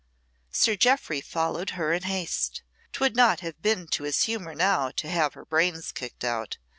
Sir Jeoffry followed her in haste. 'Twould not have been to his humour now to have her brains kicked out.